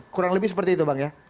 kurang lebih seperti itu bang ya